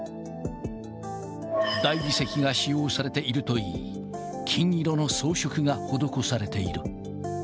大理石が使用されているといい、金色の装飾が施されている。